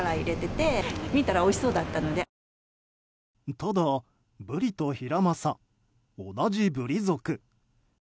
ただ、ブリとヒラマサ同じブリ属。